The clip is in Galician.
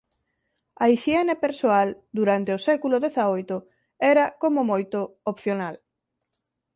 A hixiene persoal durante o século dezaoito era como moito opcional.